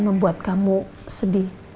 membuat kamu sedih